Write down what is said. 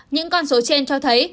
những con số trên cho thấy